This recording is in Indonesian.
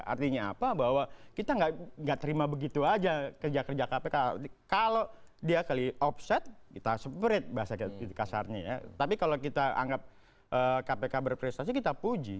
artinya apa bahwa kita nggak terima begitu aja kerja kerja kpk kalau dia kali offset kita suverage bahasa kasarnya ya tapi kalau kita anggap kpk berprestasi kita puji